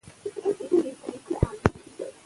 د دې اثر موضوعات اخلاقي او فلسفي دي.